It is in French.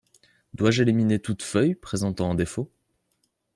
Dois-je éliminer toute feuille présentant un défaut?